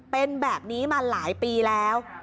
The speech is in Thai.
เป็นแบบนี้มาหลายปีแล้ว